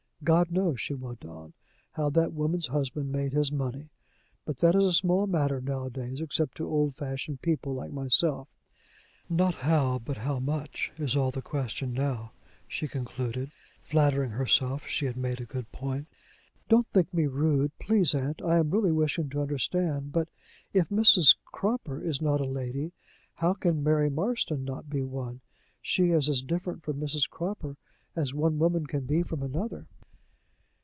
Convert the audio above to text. "God knows," she went on, "how that woman's husband made his money! But that is a small matter nowadays, except to old fashioned people like myself. Not how but how much, is all the question now," she concluded, flattering herself she had made a good point. "Don't think me rude, please, aunt: I am really wishing to understand but, if Mrs. Cropper is not a lady, how can Mary Marston not be one? She is as different from Mrs. Croppor as one woman can be from another."